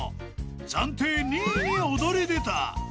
［暫定２位に躍り出た］